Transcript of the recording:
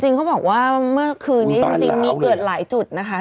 เขาบอกว่าเมื่อคืนนี้จริงมีเกิดหลายจุดนะคะ